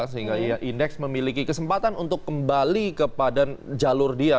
sehingga index memiliki kesempatan untuk kembali ke padan jalur dia